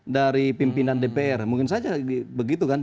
dari pimpinan dpr mungkin saja begitu kan